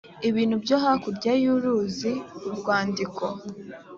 ibintu byo hakurya y’uruzi urwandiko,